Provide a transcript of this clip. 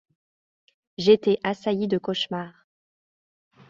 J’étais assailli de cauchemars.